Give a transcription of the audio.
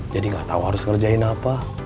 jadi gak tau harus kerjain apa apa